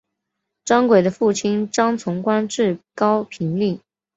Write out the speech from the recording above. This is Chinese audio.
张轨的父亲张崇官至高平令。